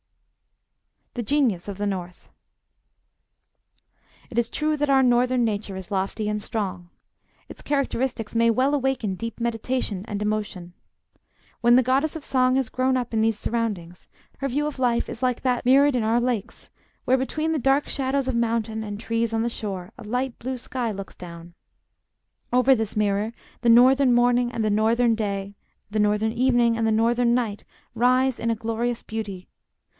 THE GENIUS OF THE NORTH It is true that our Northern nature is lofty and strong. Its characteristics may well awaken deep meditation and emotion. When the Goddess of Song has grown up in these surroundings, her view of life is like that mirrored in our lakes, where, between the dark shadows of mountain and trees on the shore, a light blue sky looks down. Over this mirror the Northern morning and the Northern day, the Northern evening and the Northern night, rise in a glorious beauty.